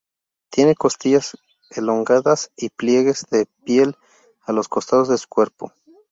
Tiene costillas elongadas y pliegues de piel a los costados de su cuerpo.